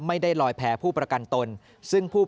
เพราะว่าเราอยู่ในเครือโรงพยาบาลกรุงเทพฯนี่ก็เป็นในระดับโลก